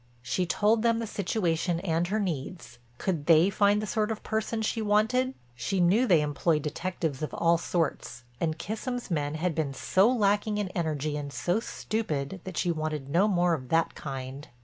She told them the situation and her needs—could they find the sort of person she wanted. She knew they employed detectives of all sorts and Kissam's men had been so lacking in energy and so stupid that she wanted no more of that kind.